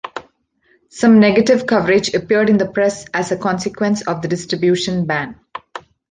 Some negative coverage appeared in the press as a consequence of the distribution ban.